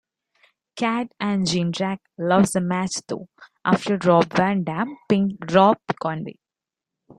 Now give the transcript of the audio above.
Cade and Jindrak lost the match though, after Rob Van Dam pinned Rob Conway.